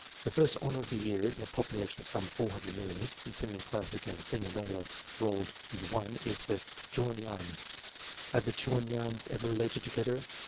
The first honour of the year in a population of some 400 millions the senior classic and senior wrangler rolled into one is the " Crman Yuan." Are the Chuan Yuans ever related together